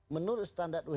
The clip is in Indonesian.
menurut standar who